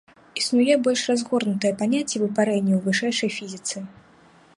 Існуе больш разгорнутае паняцце выпарэння ў вышэйшай фізіцы.